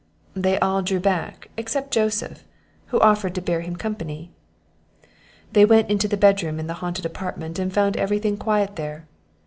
They all drew back, except Joseph, who offered to bear him company. They went into the bedroom in the haunted apartment, and found every thing quiet there.